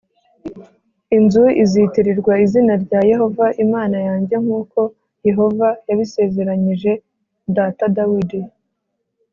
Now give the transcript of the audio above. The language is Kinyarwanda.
inzu izitirirwa izina rya Yehova Imana yanjye nk uko Yehova yabisezeranyije data Dawidi